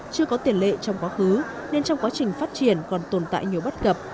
chưa có tiền lệ trong quá khứ nên trong quá trình phát triển còn tồn tại nhiều bắt gặp